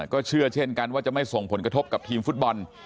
ก็เชื่อเช่นกันว่าจะไม่ส่งผลกระทบกับทีมฟุตบอล